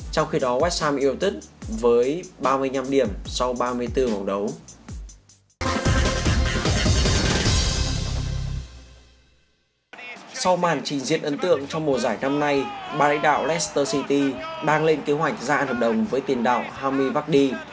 sau màn trình diễn ấn tượng trong mùa giải năm nay bà lãnh đạo leicester city đang lên kế hoạch ra hợp đồng với tiền đạo hami vakdi